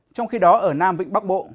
trong khi đó ở nam vịnh bắc bộ